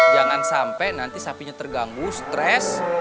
jangan sampai nanti sapinya terganggu stres